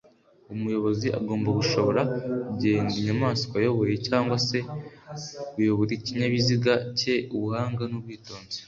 umuyobozi agomba gushobora kugenga inyamaswa ayoboye cg se kuyobora ikinyabiziga cye ubuhanga n’ubwitonzi